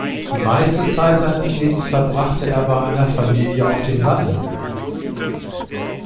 Die meiste Zeit seines Lebens verbrachte er bei einer Familie auf dem Lande.